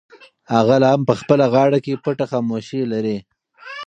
هغه لا هم په خپله غاړه کې پټه خاموشي لري.